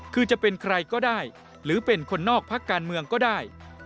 คือจะเป็นใครก็ได้หรือเป็นคนนอกพักการเมืองก็ได้